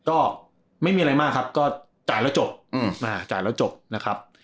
ก็ไม่มีอะไรมากครับก็จ่ายแล้วจบ